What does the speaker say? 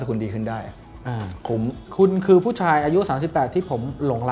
ขอบคุณมากครับจริง